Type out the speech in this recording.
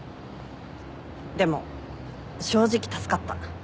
でも正直助かった。